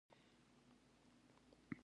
زه د پټي نه لرګي راوړم